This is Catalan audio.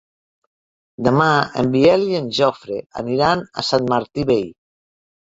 Demà en Biel i en Jofre aniran a Sant Martí Vell.